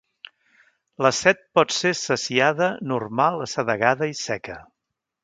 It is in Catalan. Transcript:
La set pot ser "saciada", "normal", "assedegada" i "seca".